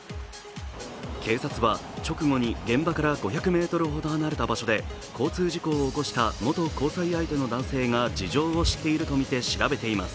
警察は直後に現場から５００ｍほど離れた場所で交通事故を起こした元交際相手の男性が事情を知っているとみて調べています。